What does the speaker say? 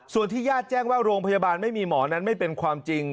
ส่วนที่ญาติแจ้งว่าโรงพยาบาลไม่มีหมอนั้นไม่เป็นความจริง